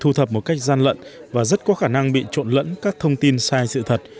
thu thập một cách gian lận và rất có khả năng bị trộn lẫn các thông tin sai sự thật